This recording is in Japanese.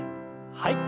はい。